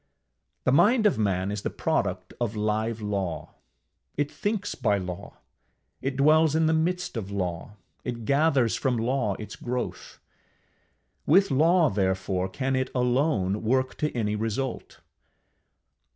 The mind of man is the product of live Law; it thinks by law, it dwells in the midst of law, it gathers from law its growth; with law, therefore, can it alone work to any result.